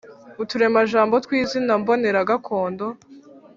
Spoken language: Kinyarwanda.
Uturemajambo tw’izina mbonera gakondo